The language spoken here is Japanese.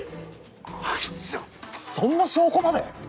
あいつらそんな証拠まで！？